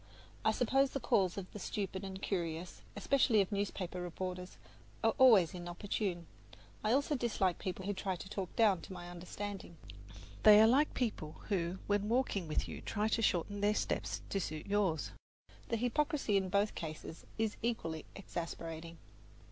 I suppose the calls of the stupid and curious, especially of newspaper reporters, are always inopportune. I also dislike people who try to talk down to my understanding. They are like people who when walking with you try to shorten their steps to suit yours; the hypocrisy in both cases is equally exasperating.